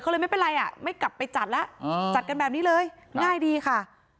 ก็เลยไม่เป็นไรอ่ะไม่กลับไปจัดแล้วจัดกันแบบนี้เลยง่ายดีค่ะ